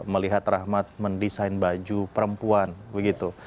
kalau kita lihat rahmat mendesain baju perempuan begitu